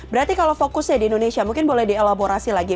berarti kalau fokusnya di indonesia mungkin boleh dielaborasi lagi